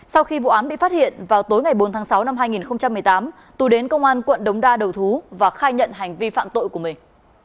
sau khi vụ án bị phát hiện vào tối ngày bốn tháng sáu năm hai nghìn một mươi tám tú đến công an quận đống đa đầu thú và khai nhận hành vi phạm tội của mình